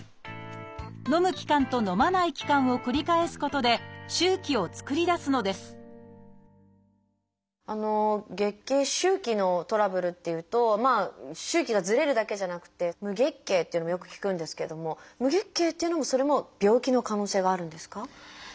のむ期間とのまない期間を繰り返すことで周期を作り出すのです月経周期のトラブルっていうと周期がずれるだけじゃなくて無月経っていうのもよく聞くんですけれども無月経っていうのもそれも病気の可能性があるんですか？